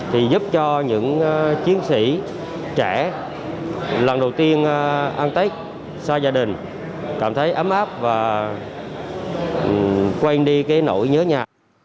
thì giúp cho những chiến sĩ trẻ lần đầu tiên ăn tết xa gia đình cảm thấy ấm áp và quên đi cái nỗi nhớ nhà